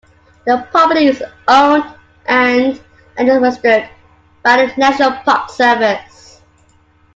The property is owned and administered by the National Park Service.